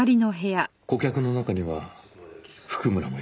顧客の中には譜久村もいる。